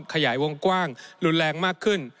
ขยายวงกว้างรุนแรงมากขึ้น